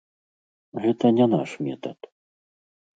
Гэта не наш метад.